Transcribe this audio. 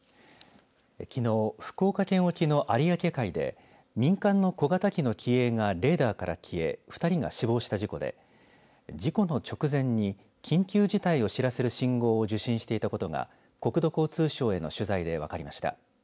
きのう、福岡県沖の有明海で民間の小型機の機影がレーダーから消え２人が死亡した時点で事故の直前に緊急事態を知らせる信号を受信していたことが国土交通省への取材で分かりました。